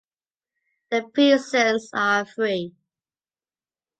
The peasants are free.